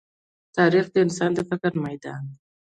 تاریخ د انسان د فکر ميدان دی.